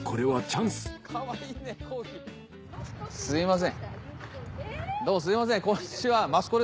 はい。